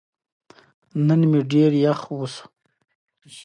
موږ له نفتي موادو څخه پلاستیکي کڅوړې جوړوو.